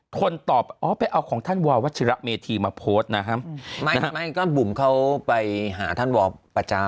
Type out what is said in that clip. คนตอบอ๋อไปเอาของท่านววัชิระเมธีมาโพสต์นะฮะไม่ไม่ก็บุ๋มเขาไปหาท่านวอประจำ